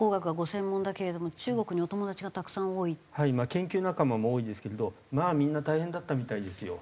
研究仲間も多いですけれどまあみんな大変だったみたいですよ。